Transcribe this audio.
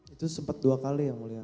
itu sempat dua kali ya mulia